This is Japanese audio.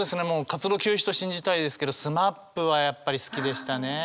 活動休止と信じたいですけどＳＭＡＰはやっぱり好きでしたね。